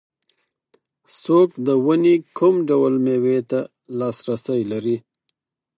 څوک د ونې کوم ډول مېوې ته لاسرسی لري.